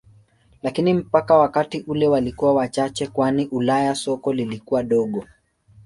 Lakini mpaka wakati ule walikuwa wachache kwani Ulaya soko lilikuwa dogo.